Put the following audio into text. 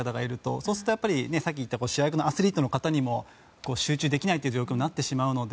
そうすると、さっき言ったように主役のアスリートの方にも集中できない状況になってしまうので。